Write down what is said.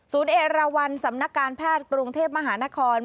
เอราวันสำนักการแพทย์กรุงเทพมหานคร